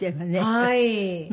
はい。